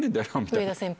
上田先輩。